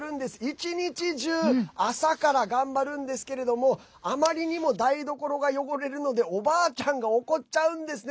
一日中朝から頑張るんですけれどもあまりにも台所が汚れるのでおばあちゃんが怒っちゃうんですね。